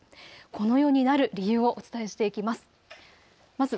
このようになる理由をお伝えしていきます。